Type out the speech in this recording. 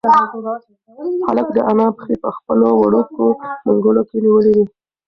هلک د انا پښې په خپلو وړوکو منگولو کې نیولې وې.